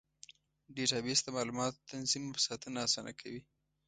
ډیټابیس د معلوماتو تنظیم او ساتنه اسانه کوي.